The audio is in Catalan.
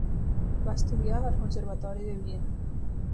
Va estudiar al Conservatori de Viena.